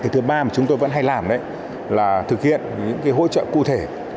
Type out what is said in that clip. thứ ba mà chúng tôi vẫn hay làm là thực hiện những hỗ trợ cụ thể